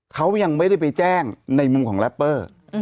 เขายังไม่ได้ไปแจ้งในมุมของแรปเปอร์